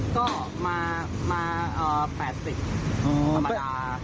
ก็มา๘๐ฯ